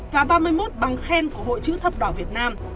và ba mươi một bằng khen của hội chữ thập đỏ việt nam